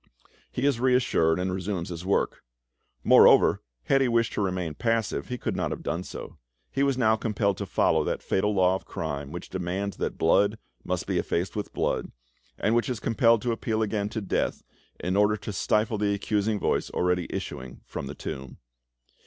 He is reassured, and resumes his work. Moreover, had he wished to remain passive, he could not have done so; he was now compelled to follow that fatal law of crime which demands that blood must be effaced with blood, and which is compelled to appeal again to death in order to stifle the accusing voice already issuing from the tomb.